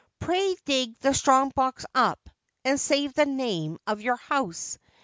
Pray dig the strong box up and save the name of your house.